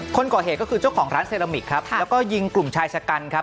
คนก่อเหตุก็คือเจ้าของร้านเซรามิกครับแล้วก็ยิงกลุ่มชายชะกันครับ